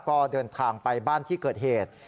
ก็เดินทางไปบ้านที่เกิดเหตุ